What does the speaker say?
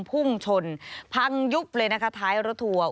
พุ่งชนพังยุบเลยนะคะท้ายรถทัวร์